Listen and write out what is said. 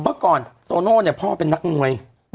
เมื่อก่อนโตโน่เนี่ยพ่อเป็นนักมวย